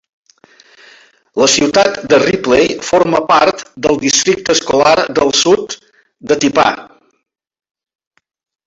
La ciutat de Ripley forma part del districte escolar del Sud de Tippah.